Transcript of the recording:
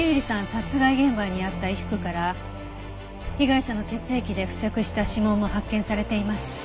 殺害現場にあった衣服から被害者の血液で付着した指紋も発見されています。